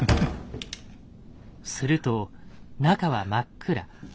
すると中は真っ暗。